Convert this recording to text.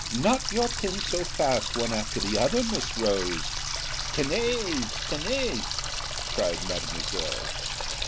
"Not your pin so fast one after de other Miss Rose Tenez! tenez!" cried mademoiselle.